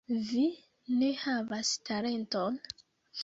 Vi ne havas talenton!